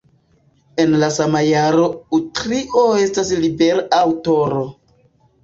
El la sama jaro Utrio estas libera aŭtoro.